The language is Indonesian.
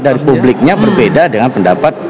dari publiknya berbeda dengan pendapat